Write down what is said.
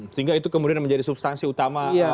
sehingga itu kemudian menjadi substansi utama